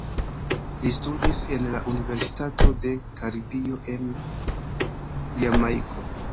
Li studis en la Universitato de Karibio en Jamajko.